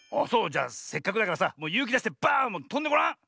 じゃせっかくだからさもうゆうきだしてバーンとんでごらん。